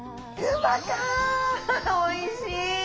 おいしい！